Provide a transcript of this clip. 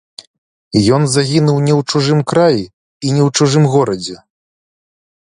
Ён загінуў не ў чужым краі, і не ў чужым горадзе.